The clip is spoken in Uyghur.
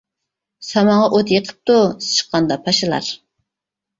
سامانغا ئوت يېقىپتۇ، ئىس چىققاندا پاشىلار.